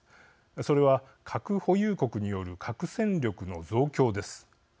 それは核保有国による核戦力の増強です。